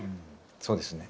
そうですね。